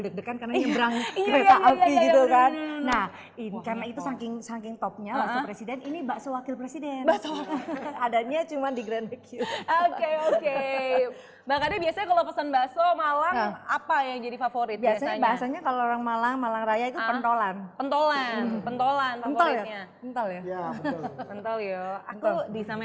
deg degan karena nyebrang iya